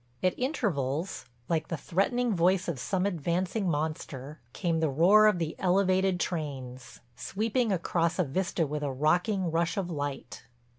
At intervals, like the threatening voice of some advancing monster, came the roar of the elevated trains, sweeping across a vista with a rocking rush of light.